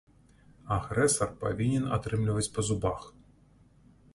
Агрэсар павінен атрымліваць па зубах.